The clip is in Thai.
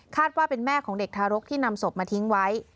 ว่าเป็นแม่ของเด็กทารกที่นำศพมาทิ้งไว้